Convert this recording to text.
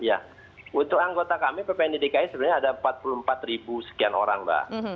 ya untuk anggota kami ppni dki sebenarnya ada empat puluh empat ribu sekian orang mbak